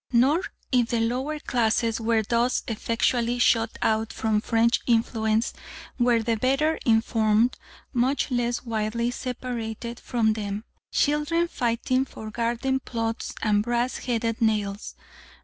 Nor if the lower classes were thus effectually shut out from French influence were the better informed much less widely separated from them. Children fighting for garden plots and brass headed nails!